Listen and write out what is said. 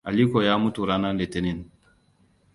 Aliko ya mutu ranar Litinin.